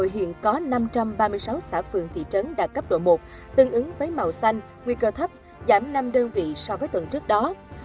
hiện có năm trăm ba mươi sáu xã phường thị trấn đạt cấp độ một tương ứng với màu xanh nguy cơ thấp giảm năm đơn vị so với tuần trước đó